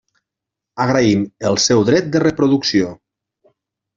Agraïm el seu dret de reproducció.